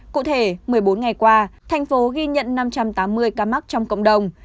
cụ thể một mươi bốn ngày qua thành phố ghi nhận năm trăm tám mươi ca mắc trong cộng đồng